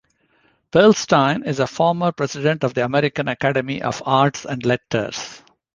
Pearlstein is a former President of the American Academy of Arts and Letters.